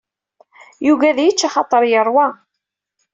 Yugi ad yečč axaṭer yerwa.